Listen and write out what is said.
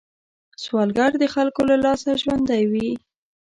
سوالګر د خلکو له لاسه ژوندی وي